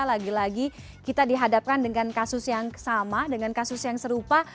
lagi lagi kita dihadapkan dengan kasus yang sama dengan kasus yang serupa